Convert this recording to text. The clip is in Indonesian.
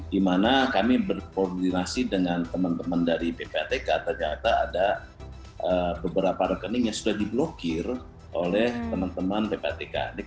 di mana kami berkoordinasi dengan teman teman dari ppatk ternyata ada beberapa rekening yang sudah diblokir oleh teman teman ppatk